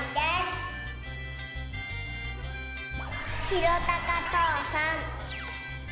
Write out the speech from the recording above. ひろたかとうさん。